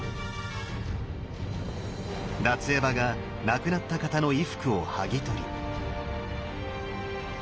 奪衣婆が亡くなった方の衣服を剥ぎ取り。